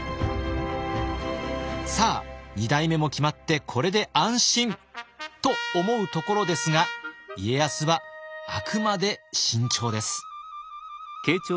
さあ二代目も決まって「これで安心！」と思うところですが家康はあくまで慎重です。